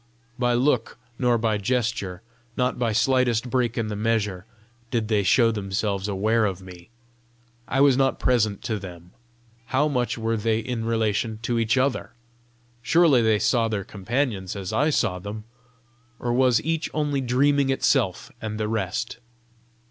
By look nor by gesture, not by slightest break in the measure, did they show themselves aware of me; I was not present to them: how much were they in relation to each other? Surely they saw their companions as I saw them! Or was each only dreaming itself and the rest?